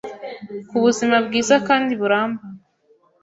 ku buzima bwiza kandi buramba